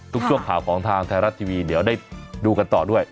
ทุกช่วงข่าวของทางไทยรัฐทีวีเดี๋ยวได้ดูกันต่อด้วย